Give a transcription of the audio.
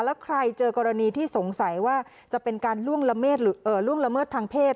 แล้วใครเจอกรณีที่สงสัยว่าจะเป็นการล่วงละเมิดทางเพศ